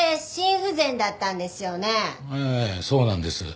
ええそうなんです。